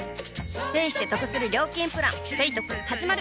ペイしてトクする料金プラン「ペイトク」始まる！